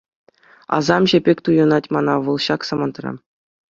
Асамҫӑ пек туйӑнать мана вӑл ҫак самантра.